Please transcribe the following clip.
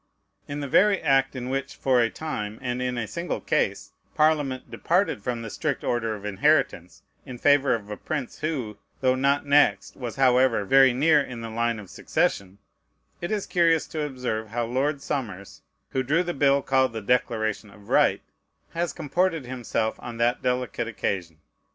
In the very act in which, for a time, and in a single case, Parliament departed from the strict order of inheritance, in favor of a prince who, though not next, was, however, very near in the line of succession, it is curious to observe how Lord Somers, who drew the bill called the Declaration of Right, has comported himself on that delicate occasion.